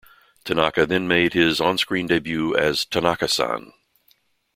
Tanaka then made his on-screen debut as "Tanaka-San".